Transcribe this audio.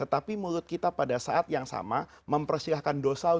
tetapi mulut kita pada saat yang sama mempersilahkan dosa